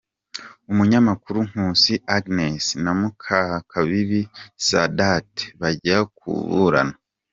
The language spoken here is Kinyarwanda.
Umunyamakuru Nkunsi Agnes na Mukakibibi Saidath bajya kuburana